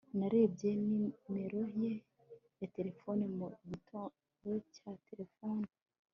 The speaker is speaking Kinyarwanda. narebye nimero ye ya terefone mu gitabo cya terefone